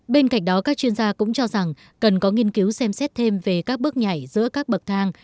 bên cạnh đó các chuyên gia cũng cho rằng cần có nghiên cứu xem xét thêm về các bước nhảy giữa các bậc thang